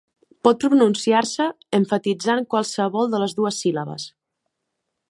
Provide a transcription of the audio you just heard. Pot pronunciar-se emfatitzant qualsevol de les dues síl·labes.